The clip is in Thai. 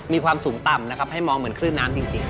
มีความสูงต่ำนะครับให้มองเหมือนคลื่นน้ำจริง